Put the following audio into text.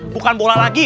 bukan bola lagi